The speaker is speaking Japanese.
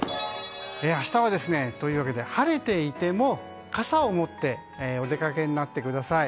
明日は、晴れていても傘を持ってお出かけになってください。